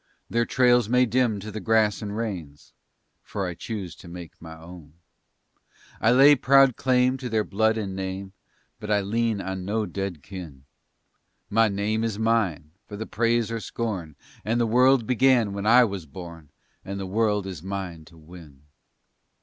Their trails may dim to the grass and rains, For I choose to make my own. I lay proud claim to their blood and name, But I lean on no dead kin; My name is mine, for the praise or scorn, And the world began when I was born And the world is mine to win.